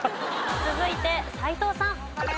続いて斎藤さん。